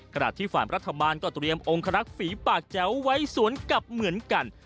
ขณะที่ฝ่ายรัฐบาลก็เตรียมองคลักษีปากแจ๋วไว้สวนกลับเหมือนกัน